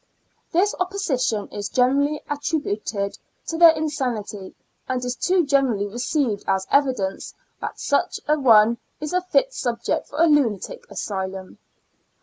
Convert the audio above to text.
This opposition is generally attributed to their insanity, and is too generally received as evidence that such an one is a fit subject for a lunatic asylum.